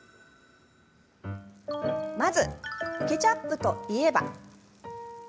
まずケチャップといえば。